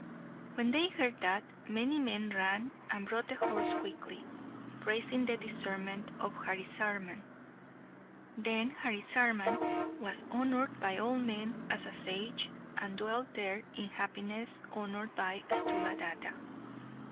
When they heard that, many men ran and brought the horse quickly, praising the discernment of Harisarman. Then Harisarman was honoured by all men as a sage, and dwelt there in happiness, honoured by Sthuladatta.